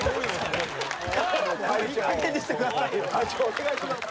お願いします。